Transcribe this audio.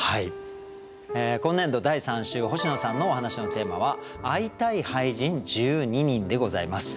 今年度第３週星野さんのお話のテーマは「会いたい俳人、１２人」でございます。